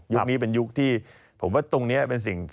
นี้เป็นยุคที่ผมว่าตรงนี้เป็นสิ่ง